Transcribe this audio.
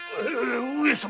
上様